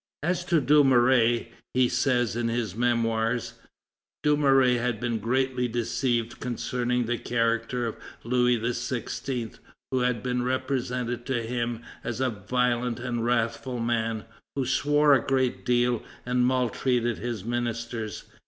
As to Dumouriez, he says in his Memoirs: "Dumouriez had been greatly deceived concerning the character of Louis XVI., who had been represented to him as a violent and wrathful man, who swore a great deal and maltreated his ministers.